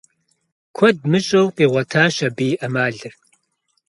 Куэд мыщӏэу къигъуэтащ абы и ӏэмалыр.